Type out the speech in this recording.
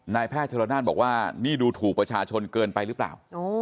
แพทย์ชนละนานบอกว่านี่ดูถูกประชาชนเกินไปหรือเปล่า